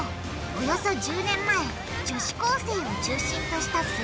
およそ１０年前女子高生を中心としたす